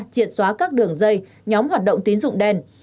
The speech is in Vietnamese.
triệt xóa các đường dây nhóm hoạt động tín dụng đen